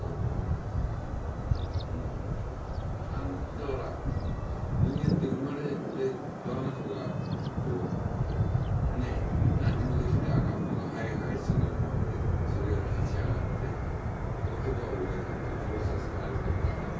だから人間って生まれて我が子がこうねっ何にもできない赤ん坊がハイハイするようになってそれが立ち上がって言葉を覚えてっていうプロセスがあるじゃないですか。